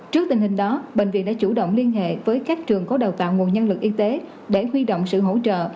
trước tình hình đó bệnh viện đã chủ động liên hệ với các trường có đào tạo nguồn nhân lực y tế để huy động sự hỗ trợ